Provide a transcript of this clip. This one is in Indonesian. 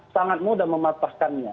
sangat mudah mematahkannya